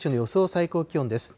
最高気温です。